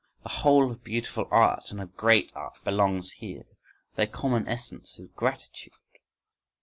The whole of beautiful art and of great art belongs here; their common essence is gratitude.